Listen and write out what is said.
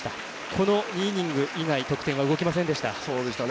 この２イニング以外得点は動きませんでした。